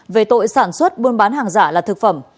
về tội sản xuất buôn bán hàng giả là thực phẩm